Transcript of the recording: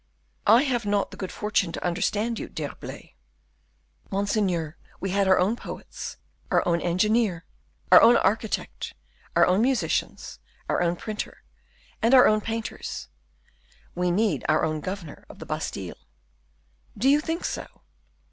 "I have not the good fortune to understand you, D'Herblay." "Monseigneur, we had our own poets, our own engineer, our own architect, our own musicians, our own printer, and our own painters; we needed our own governor of the Bastile." "Do you think so?"